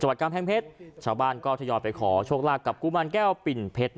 จังหวัดกมแห้งเพชรชาวบ้านก็เตยอยไปขอโชครักกับกุมารแก้วปิ่นเพชร